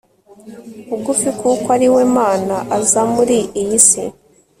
bugufi kuko ariwe mana, aza muri iyi si